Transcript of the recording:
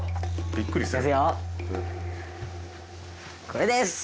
これです！